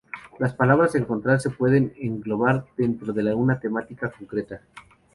Las palabras a encontrar se pueden englobar dentro de una temática concreta.